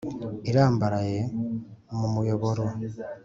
irambaraye mu muyoboro